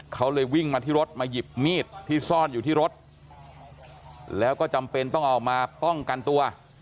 เขาเลยวิ่งมาที่รถมาหยิบมีดที่ซ่อนอยู่ที่รถแล้วก็จำเป็นต้องออกมาป้องกันตัว